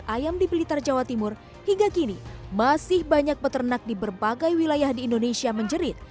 ayam di blitar jawa timur hingga kini masih banyak peternak di berbagai wilayah di indonesia menjerit